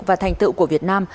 và thành tựu của việt nam